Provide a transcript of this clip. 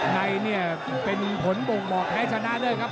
ในเนี่ยเป็นผลบ่งบอกแพ้ชนะด้วยครับ